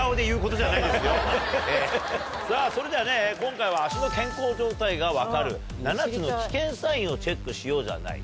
さぁそれではね今回は足の健康状態が分かる７つの危険サインをチェックしようじゃないかと。